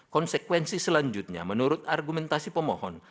konsekuensi selanjutnya menurut argumentasi pemohon